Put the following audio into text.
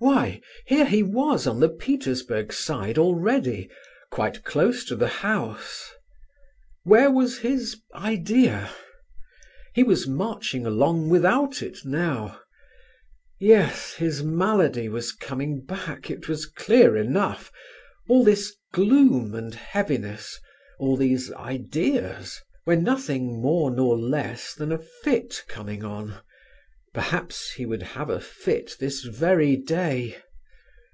Why, here he was on the Petersburg Side already, quite close to the house! Where was his "idea"? He was marching along without it now. Yes, his malady was coming back, it was clear enough; all this gloom and heaviness, all these "ideas," were nothing more nor less than a fit coming on; perhaps he would have a fit this very day.